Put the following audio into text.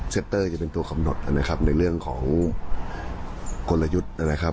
เตอร์จะเป็นตัวกำหนดนะครับในเรื่องของกลยุทธ์นะครับ